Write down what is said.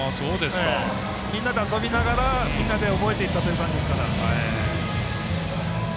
みんなと遊びながらみんなで覚えていったっていう感じです。